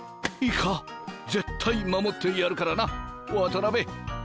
いいか絶対守ってやるからな渡辺。